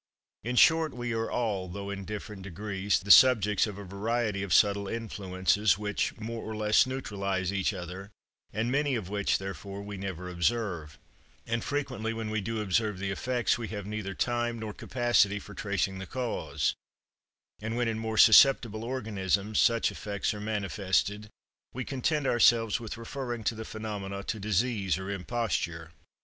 In short, we are all, though in different degrees, the subjects of a variety of subtle influences, which, more or less, neutralize each other, and many of which, therefore, we never observe; and frequently when we do observe the effects, we have neither time nor capacity for tracing the cause; and when in more susceptible organisms such effects are manifested, we content ourselves with referring the phenomena to disease or imposture.